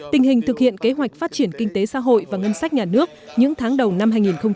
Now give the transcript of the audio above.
tình hình thực hiện kế hoạch phát triển kinh tế xã hội và ngân sách nhà nước những tháng đầu năm hai nghìn một mươi chín